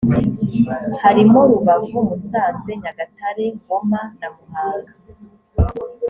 harimo :rubavu, musanze ,, nyagatare ,ngoma na muhanga.